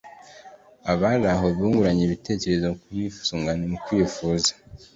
Abari aho bunguranye ibitekerezo ku bwisungane mu kwivuza